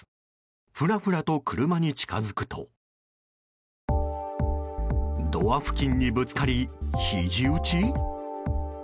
ふらふらと車に近づくとドア付近にぶつかり、ひじ打ち？